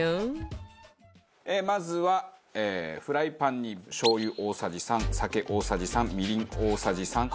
まずはフライパンにしょう油大さじ３酒大さじ３みりん大さじ３。